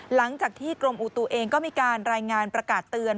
หลังจากที่กรมอุตุเองก็มีการรายงานประกาศเตือน